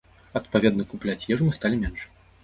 Адпаведна, купляць ежу мы сталі менш.